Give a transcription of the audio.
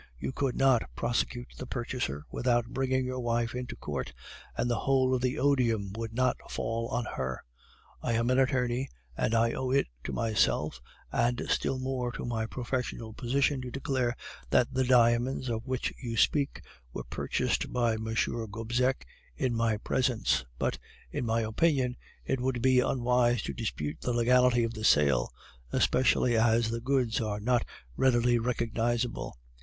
You could not prosecute the purchaser without bringing your wife into court, and the whole of the odium would not fall on her. I am an attorney, and I owe it to myself, and still more to my professional position, to declare that the diamonds of which you speak were purchased by M. Gobseck in my presence; but, in my opinion, it would be unwise to dispute the legality of the sale, especially as the goods are not readily recognizable.